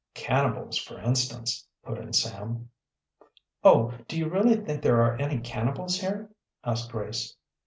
"Cannibals, for instance," put in Sam. "Oh, do you really think there are any cannibals here?" asked Grace.